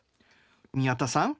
宮田さん